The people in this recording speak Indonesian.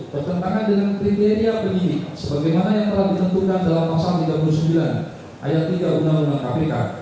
bertentangan dengan kriteria penyidik sebagaimana yang telah ditentukan dalam pasal tiga puluh sembilan ayat tiga undang undang kpk